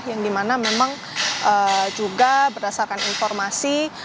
yang dimana memang juga berdasarkan informasi